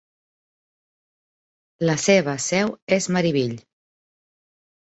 La seva seu és Marieville.